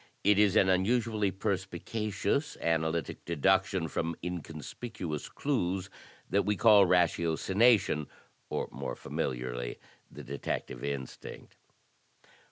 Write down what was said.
It is an unusually perspicacious analytic deduction from inconspicuous clues that we call ratiocination, or more familiarly, the detective instinct.